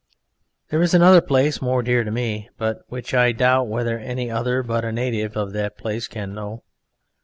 There is another place more dear to me, but which I doubt whether any other but a native of that place can know.